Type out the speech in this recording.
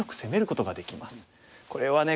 これはね